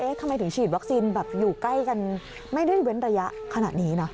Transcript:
ทำไมถึงฉีดวัคซีนแบบอยู่ใกล้กันไม่ได้เว้นระยะขนาดนี้นะ